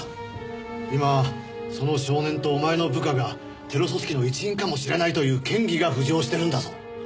今その少年とお前の部下がテロ組織の一員かもしれないという嫌疑が浮上してるんだぞ。